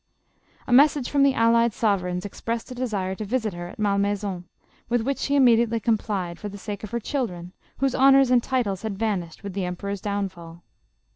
JOSEl'HINE. 265 A message from the allied sovereigns, expressed a desire to visit her at Malmaison, with which she imme diately complied, for the sake of her children, whose h6nors and titles had vanished with the emperor's downfall.